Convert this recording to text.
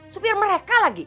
supir mereka lagi